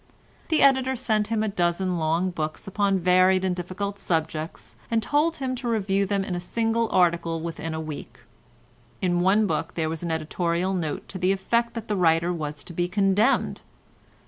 The editor sent him a dozen long books upon varied and difficult subjects, and told him to review them in a single article within a week. In one book there was an editorial note to the effect that the writer was to be condemned.